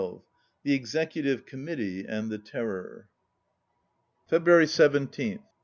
107 THE EXECUTIVE COMMITTEE AND THE TERROR February 17 th.